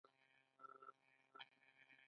دا د دواړو خواوو لپاره توازن رامنځته کوي